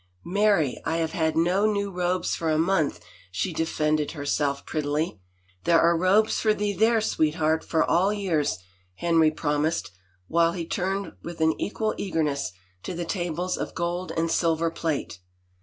" Marry, I have had no new robes for a month," she defended herself prettily. There are robes for thee there. Sweetheart, for all years," Henry promised, while he turned with an equal eagerness to the tables of gold and silver plate.